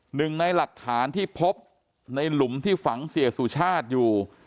หนึ่งในหลักฐานที่พบในหลุมที่ฝังเสียสุชาติอยู่